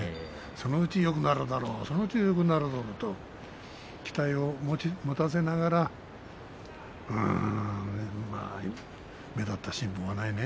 そのうち、よくなるだろうよくなるだろうと期待を持たせながら目立った進歩がないね。